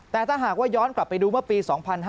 แต่ถ้าหากว่าย้อนกลับไปดูเมื่อปี๒๕๕๙